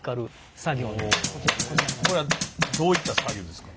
これはどういった作業ですか？